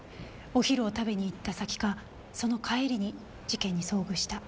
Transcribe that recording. お昼を食べに行った先かその帰りに事件に遭遇した。